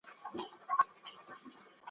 ویاله چي هر څو کاله سي وچه !.